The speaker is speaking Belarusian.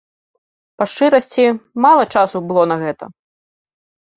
Па шчырасці, мала часу было на гэта.